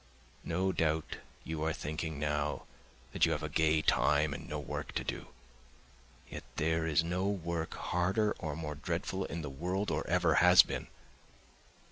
No doubt you are thinking now that you have a gay time and no work to do! Yet there is no work harder or more dreadful in the world or ever has been.